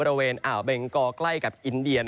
บริเวณอ่าวเบงกอใกล้กับอินเดีย